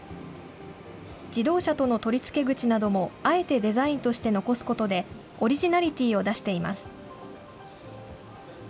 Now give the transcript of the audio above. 自動車との取り付け口などもあえてデザインとして残すことで、オリジナリティーを出しています。